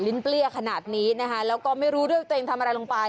เปรี้ยขนาดนี้นะคะแล้วก็ไม่รู้ด้วยว่าตัวเองทำอะไรลงไป